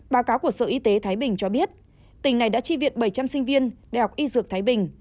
báo cáo của sở y tế thái bình cho biết tỉnh này đã chi viện bảy trăm linh sinh viên đại học y dược thái bình